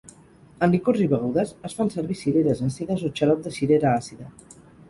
En licors i begudes es fan servir cireres àcides o xarop de cirera àcida.